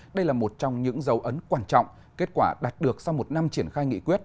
đây là một trong những dấu ấn quan trọng kết quả đạt được sau một năm triển khai nghị quyết